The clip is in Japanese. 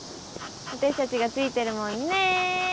私達がついてるもんね